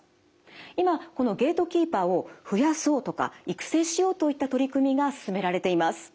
今このゲートキーパーを増やそうとか育成しようといった取り組みが進められています。